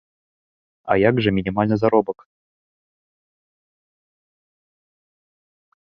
А як жа мінімальны заробак?